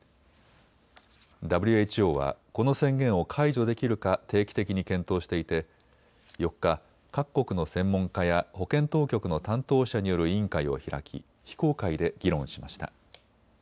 ＷＨＯはこの宣言を解除できるか定期的に検討していて４日、各国の専門家や保健当局の担当者による委員会を開き、非公開で議論しました。